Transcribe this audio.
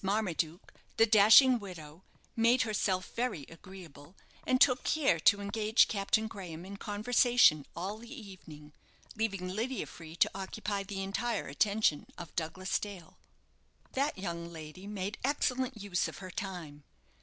Marmaduke, the dashing widow, made herself very agreeable, and took care to engage Captain Graham in conversation all the evening, leaving Lydia free to occupy the entire attention of Douglas Dale. That young lady made excellent use of her time.